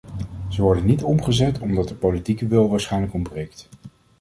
Ze worden niet omgezet omdat de politieke wil waarschijnlijk ontbreekt.